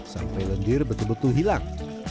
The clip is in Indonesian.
sampai lendir betul betul hilang